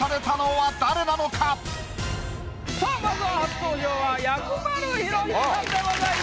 さあまずは初登場は薬丸裕英さんでございます。